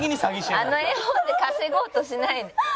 あの絵本で稼ごうとしないで。